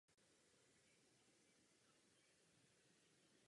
V posledním patře jsou gotická okna.